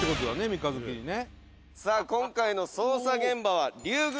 三日月にね。